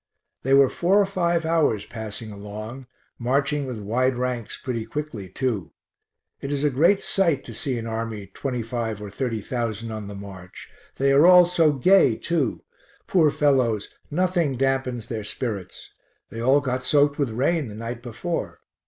They were four or five hours passing along, marching with wide ranks pretty quickly, too. It is a great sight to see an army 25 or 30,000 on the march. They are all so gay, too. Poor fellows, nothing dampens their spirits. They all got soaked with rain the night before.